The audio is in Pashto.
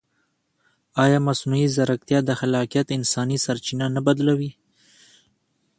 ایا مصنوعي ځیرکتیا د خلاقیت انساني سرچینه نه بدلوي؟